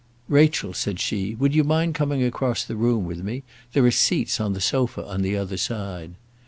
"Rachel," said she, "would you mind coming across the room with me? There are seats on the sofa on the other side."